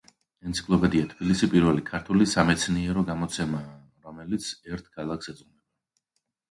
ენციკლოპედია „თბილისი“ პირველი ქართული სამეცნიერო გამოცემაა, რომელიც ერთ ქალაქს ეძღვნება.